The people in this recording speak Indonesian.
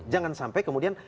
jangan sampai kemudian